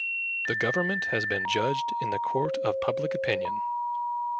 The government has been judged in the court of public opinion.